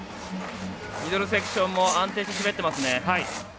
ミドルセクションも安定して滑っています。